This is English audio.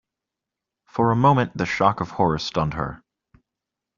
For a moment the shock of horror stunned her.